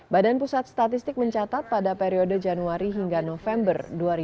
badan pusat statistik mencatat pada periode januari hingga november dua ribu dua puluh